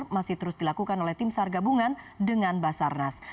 masih terus dilakukan oleh tim sargabungan dengan basarnas